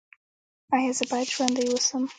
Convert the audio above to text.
ایا زه باید ژوندی اوسم؟